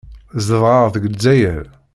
Zedɣeɣ deg Lezzayer.